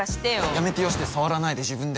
やめてよして触らないで自分で買って。